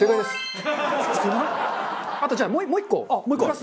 あとじゃあもう１個プラス